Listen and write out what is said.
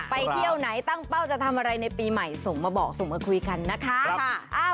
ไปเที่ยวไหนตั้งเป้าจะทำอะไรในปีใหม่ส่งมาบอกส่งมาคุยกันนะคะ